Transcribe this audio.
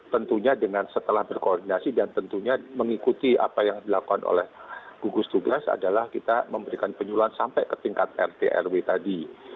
tentunya dengan setelah berkoordinasi dan tentunya mengikuti apa yang dilakukan oleh gugus tugas adalah kita memberikan penyuluhan sampai ke tingkat rt rw tadi